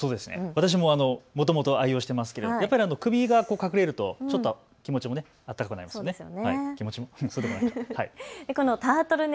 私ももともと愛用していますけれども首が隠れるとちょっと気持ちも温かくなりますね。